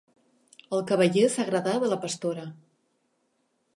El cavaller s'agradà de la pastora.